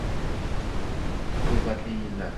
Ukubatli yillar